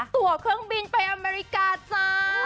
ตัวเครื่องบินไปอเมริกาจ้า